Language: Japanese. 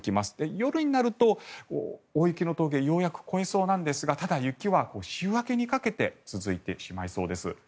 夜になると大雪の峠はようやく越えそうなんですがただ、雪は週明けにかけて続いてしまいそうです。